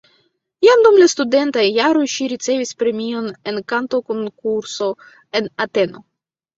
Jam dum la studentaj jaroj ŝi ricevis premion en kantokonkurso en Ateno.